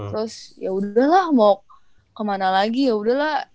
terus yaudahlah mau kemana lagi yaudahlah